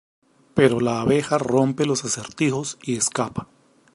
Pero la abeja rompe los acertijos y escapa.